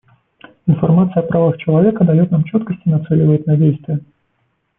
Информация о правах человека дает нам четкость и нацеливает на действия.